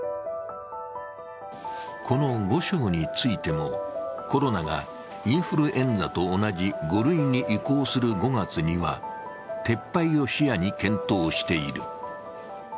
この５床についてもコロナがインフルエンザと同じ５類に移行する５月には撤廃を視野に検討している。